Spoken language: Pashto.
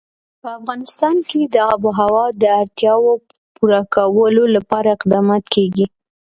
په افغانستان کې د آب وهوا د اړتیاوو پوره کولو لپاره اقدامات کېږي.